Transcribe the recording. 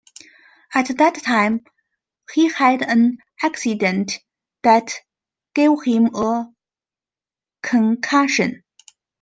At that time he had an accident that gave him a concussion.